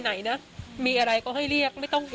หลังจากผู้ชมไปฟังเสียงแม่น้องชมไป